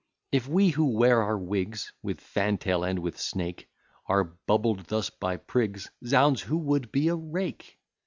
If we, who wear our wigs With fantail and with snake, Are bubbled thus by prigs; Z ds! who would be a rake?